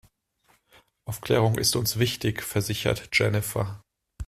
Aufklärung ist uns wichtig, versichert Jennifer.